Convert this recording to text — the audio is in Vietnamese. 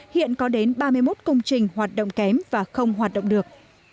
hiện có đến ba mươi một công trình hoạt động kém và không hoạt động được